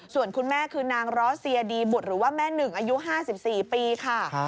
ส่วนคุณแม่คือนางร้อเซียดีบุตรหรือว่าแม่หนึ่งอายุ๕๔ปีค่ะ